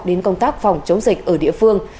đến công tác phòng chống dịch ở địa phương